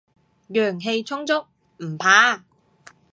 陽氣充足，唔怕